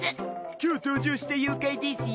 今日登場した妖怪ですよ。